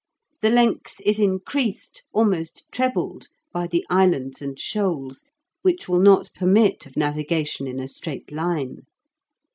The length is increased, almost trebled, by the islands and shoals, which will not permit of navigation in a straight line.